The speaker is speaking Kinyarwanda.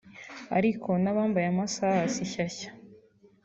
Ariko n’abambaye amasaha si shyashya